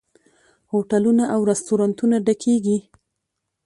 هوټلونه او رستورانتونه ډکیږي.